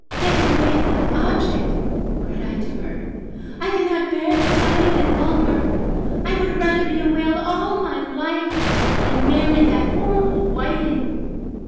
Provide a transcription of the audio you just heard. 'Take away that object,' cried I to her; 'I cannot bear the sight of it longer. I would rather be a whale all my life than marry that horrible Whiting!'